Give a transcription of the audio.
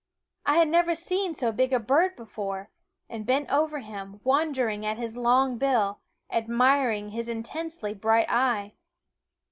I had never seen so big a bird before, and bent over him, wondering at his long bill, admiring his intensely bright eye.